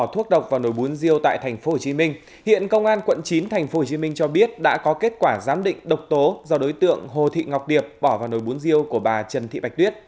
hồ chí minh cho biết đã có kết quả giám định độc tố do đối tượng hồ thị ngọc điệp bỏ vào nồi bún riêu của bà trần thị bạch tuyết